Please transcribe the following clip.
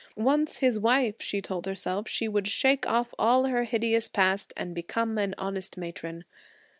Once his wife, she told herself, she would shake off all her hideous past and become an honest matron.